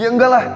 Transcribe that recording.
ya enggak lah